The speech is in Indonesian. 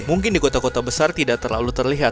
mungkin di kota kota besar tidak terlalu terlihat